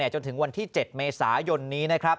จนถึงวันที่๗เมษายนนี้